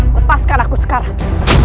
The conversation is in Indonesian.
lepaskan aku sekarang